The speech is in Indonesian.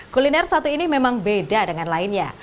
kuliner satu ini memang beda dengan lainnya